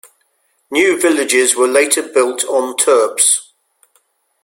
New villages were later built on terps.